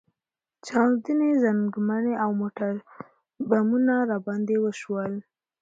چاودنې، ځانمرګي او موټربمونه راباندې وشول.